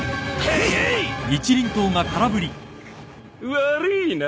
悪いな。